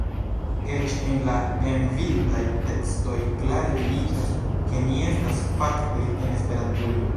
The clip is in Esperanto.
Eĉ en la en-bildaj tekstoj klare vidiĝas, ke ni estas fakte en Esperantujo.